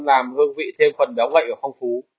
làm hương vị thêm phần béo gậy và phong phú